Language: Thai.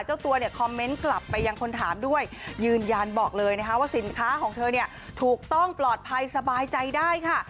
เจ้าตัวเนี่ยคอมเมนต์กลับไปยังคนถามด้วยยืนยันบอกเลยนะคะว่าสินค้าของเธอเนี่ยถูกต้องปลอดภัยสบายใจได้ค่ะ